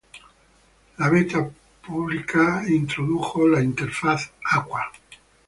La Beta pública introdujo la interfaz Aqua.